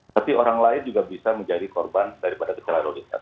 tapi orang lain juga bisa menjadi korban daripada kecelakaan lalu lintas